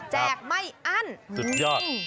แจกไม่อั้นสุดยอด